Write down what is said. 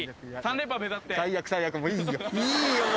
いいよ